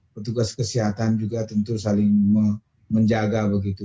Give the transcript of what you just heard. petugas kesehatan juga tentu saling menjaga begitu